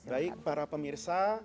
baik para pemirsa